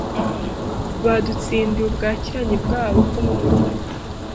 Badutsindiye ubwakiranyi bwabo bwo mumujyi muto